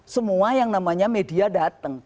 semua yang namanya media datang